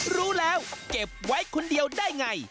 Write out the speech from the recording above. รู้แล้วเก็บไว้คนเดียวได้ไง